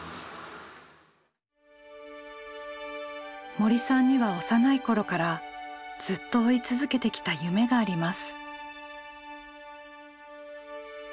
森さんには幼い頃からずっと追い続けてきた夢があります。